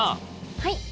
はい。